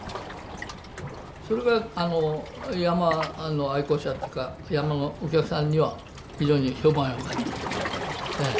それが山の愛好者というか山のお客さんには非常に評判良かったええ。